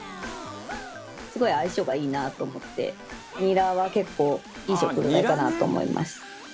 すごい相性がいいなと思ってニラは結構いい食材かなと思います。